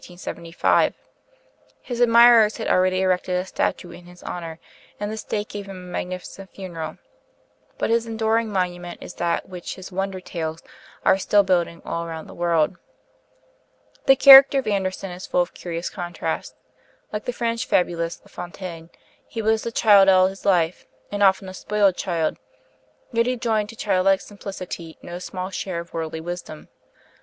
His admirers had already erected a statue in his honor, and the State gave him a magnificent funeral; but his most enduring monument is that which his 'Wonder Tales' are still building all around the world. The character of Andersen is full of curious contrasts. Like the French fabulist, La Fontaine, he was a child all his life, and often a spoiled child; yet he joined to childlike simplicity no small share of worldly wisdom.